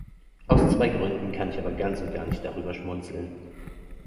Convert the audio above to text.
Aus zwei Gründen kann ich aber ganz und gar nicht darüber schmunzeln.